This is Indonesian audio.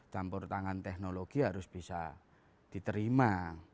campur tangan teknologi harus bisa diterima